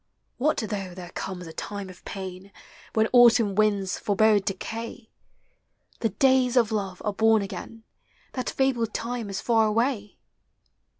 What though there comes a time of pain When autumn winds forebode decay? The days of love are born again : That fabled time is far away!